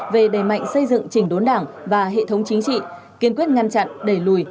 về đẩy mạnh xây dựng trình đốn đảng và hệ thống chính trị kiên quyết ngăn chặn đẩy lùi